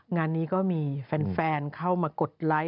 งานนี้ก็มีแฟนเข้ามากดไลค์